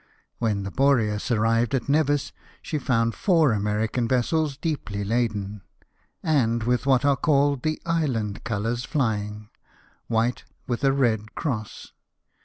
When the Boreas arrived at Nevis, she found four American vessels deeply laden, SEIZURE OF AMERICAN SHIPS. 39 and with what are called the island colours flying — white, with a red cross.